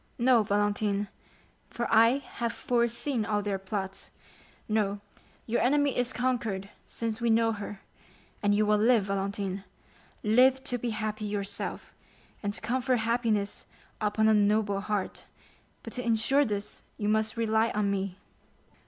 "No, Valentine, for I have foreseen all their plots; no, your enemy is conquered since we know her, and you will live, Valentine—live to be happy yourself, and to confer happiness upon a noble heart; but to insure this you must rely on me."